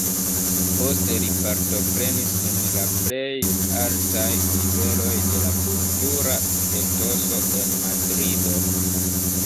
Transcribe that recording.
Poste li partoprenis en la plej altaj niveloj de la kultura etoso en Madrido.